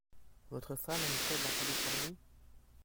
Votre femme aime-t-elle la Californie ?